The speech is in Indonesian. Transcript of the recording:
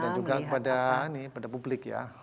dan juga pada ini pada publik ya